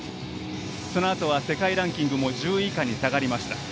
そのあとは、世界ランキングも１０位以下に下がりました。